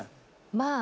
「まあ」「」